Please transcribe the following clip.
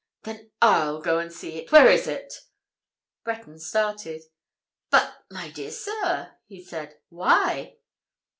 Then I'll go and see it. Where is it?" Breton started. "But—my dear sir!" he said. "Why?"